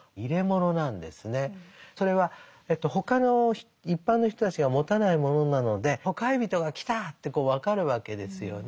それは他の一般の人たちが持たないものなのでほかひびとが来たって分かるわけですよね。